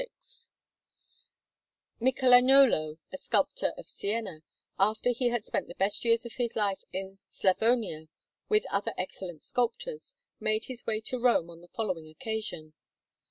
Maria dell' Anima_) Anderson] Michelagnolo, a sculptor of Siena, after he had spent the best years of his life in Sclavonia with other excellent sculptors, made his way to Rome on the following occasion.